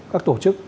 các tổ chức